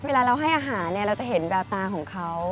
เวลาเราให้อาหารเนี่ยเราจะเห็นแววตาของเขา